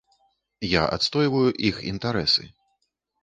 Я адстойваю іх інтарэсы.